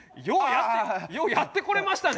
ようやってこれましたね。